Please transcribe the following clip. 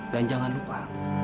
dan jangan lupa